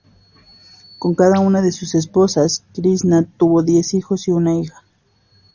Con cada una de sus esposas, Krisna tuvo diez hijos y una hija.